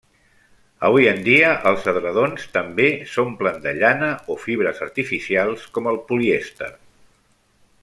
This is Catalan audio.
Avui en dia, els edredons també s'omplen de llana o fibres artificials com el polièster.